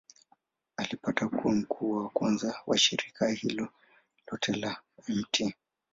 Alipata kuwa mkuu wa kwanza wa shirika hilo lote la Mt.